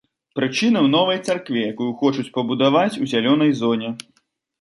Прычына ў новай царкве, якую хочуць пабудаваць у зялёнай зоне.